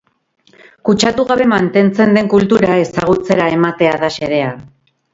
Kutsatu gabe mantentzen den kultura ezagutzera ematea da xedea.